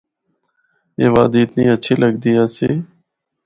اے وادی اتنی ہچھی لگدی آسی۔